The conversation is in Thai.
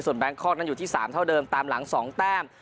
แบงคอกนั้นอยู่ที่๓เท่าเดิมตามหลัง๒แต้ม